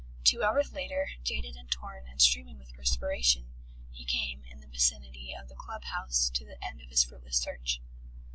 Two hours later, jaded and torn and streaming with perspiration, he came, in the vicinity of the club house, to the end of his fruitless search.